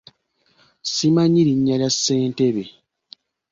Simanyi linnya lya ssentebe.